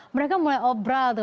mereka mulai obrol tuh